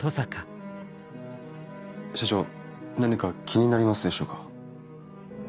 社長何か気になりますでしょうか？